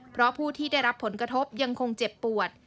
เพราะผู้ที่ได้รับผลกระทบยังคงเจ็บปวด